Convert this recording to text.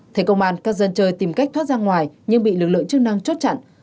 thấy công an các dân chơi tìm cách thoát ra ngoài nhưng bị lực lượng chức năng chốt chặn